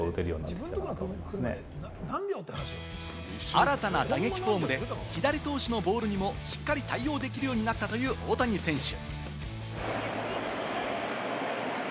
新たな打撃フォームで左投手のボールにもしっかり対応できるようになったという大谷選手。